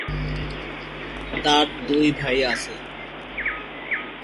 তার দুই ভাই আছে।